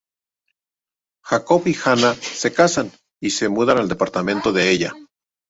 Jacob y Anna se casan, y se mudan al departamento de ella.